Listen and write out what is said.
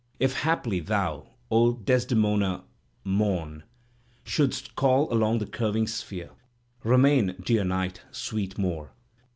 If haply thou, O Desdemona Mom, Shouldst call along the curving sphere, ''Remain Dear Night, sweet Moor."